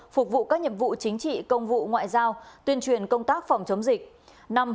phục vụ các nhiệm vụ chính trị công vụ ngoại giao tuyên truyền công tác phòng chống dịch